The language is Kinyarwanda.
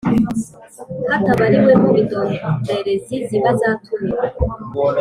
hatabariwemo indorerezi ziba zatumiwe.